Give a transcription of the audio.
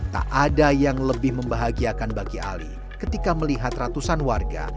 tak ada yang lebih membahagiakan bagi ali ketika melihat ratusan warga